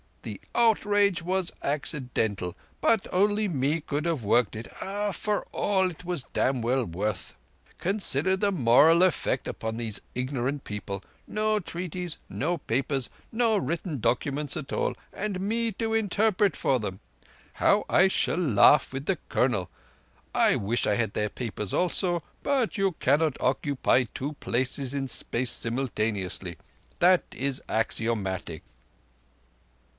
Thee outrage was accidental, but onlee me could have worked it—ah—for all it was dam' well worth. Consider the moral effect upon these ignorant peoples! No treaties—no papers—no written documents at all—and me to interpret for them. How I shall laugh with the Colonel! I wish I had their papers also: but you cannot occupy two places in space simultaneously. Thatt is axiomatic."